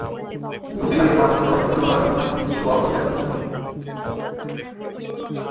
গোপীবাগের club ভবনে অলস দুপুরে অন্যরা যখন ভাতঘুম দিচ্ছেন, ওয়ালসন ব্যস্ত মুঠোফোনে।